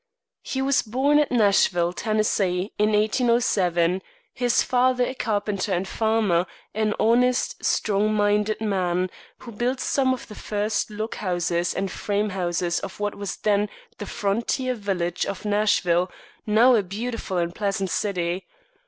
He was born at Nashville, Tennessee, in 1807; his father a carpenter and farmer, an honest, strong minded man, who built some of the first log houses and frame houses of what was then the frontier village of Nashville, now a beautiful and pleasant city.